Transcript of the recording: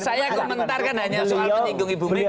saya komentar kan hanya soal penyinggung ibu mereka